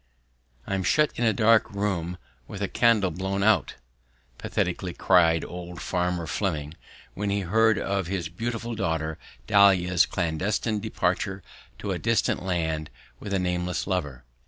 "I'm shut in a dark room with the candle blown out," pathetically cried old Farmer Fleming, when he heard of his beautiful daughter Dahlia's clandestine departure to a distant land with a nameless lover.